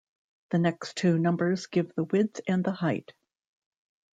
The next two numbers give the width and the height.